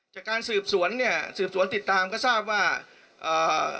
จากการสืบสวนเนี่ยสืบสวนติดตามก็ทราบว่าเอ่อ